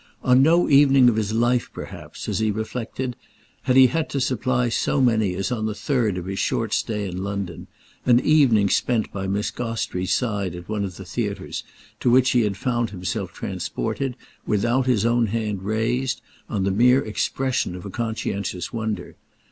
On no evening of his life perhaps, as he reflected, had he had to supply so many as on the third of his short stay in London; an evening spent by Miss Gostrey's side at one of the theatres, to which he had found himself transported, without his own hand raised, on the mere expression of a conscientious wonder.